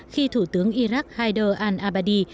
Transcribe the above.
khi thủ tướng iraq haider al abadi